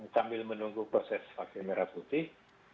sambil menunggu proses vaksin merah putih